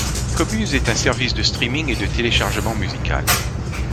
Qobuz est un service de streaming et de téléchargement musical.